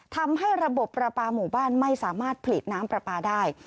ทำให้ระบบประปาหมู่บ้านไม่สามารถผลิตน้ำปลาปลาได้